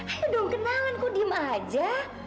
ayo dong kenalan kok diem aja